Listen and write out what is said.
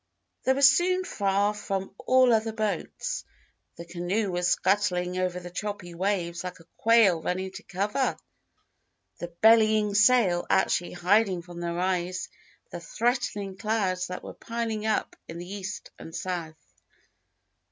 They were soon far from all other boats, the canoe was scuttling over the choppy waves like a quail running to cover, the bellying sail actually hiding from their eyes the threatening clouds that were piling up in the east and south.